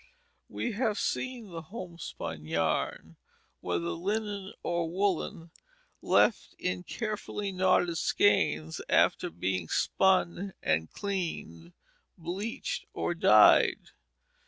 We have seen the homespun yarn, whether linen or woollen, left in carefully knotted skeins after being spun and cleaned, bleached, or dyed.